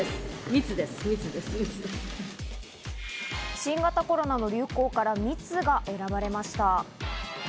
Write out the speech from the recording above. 新型コロナの流行から「密」が選ばれました。